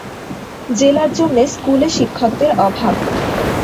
জেলার জন্য স্কুলে শিক্ষকদের অভাব।